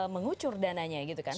mengucur dananya gitu kan